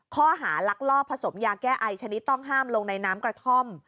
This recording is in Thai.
ข้อหาลักลอบผสมยาแก้ไอชนิดต้องห้ามลงในน้ำกระท่อม